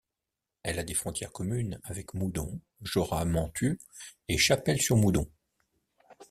Elle a des frontières communes avec Moudon, Jorat-Menthue et Chapelle-sur-Moudon.